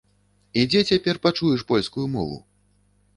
І дзе цяпер пачуеш польскую мову?